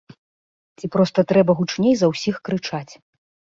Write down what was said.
Ці проста трэба гучней за ўсіх крычаць!